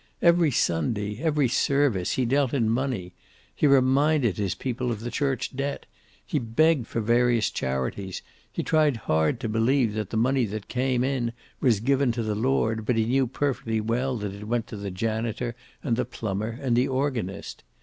Every Sunday, every service, he dealt in money. He reminded his people of the church debt. He begged for various charities. He tried hard to believe that the money that came in was given to the Lord, but he knew perfectly well that it went to the janitor and the plumber and the organist.